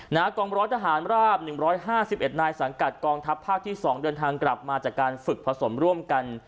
กองร้อยทหารราบ๑๕๑นายสังกัดกองทัพภาคที่๒เดินทางกลับมาจากการฝึกผสมร่วมกัน